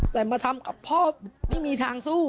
แต่มาทำกับพ่อไม่มีทางสู้